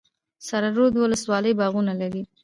سره رود ولسوالۍ باغونه لري؟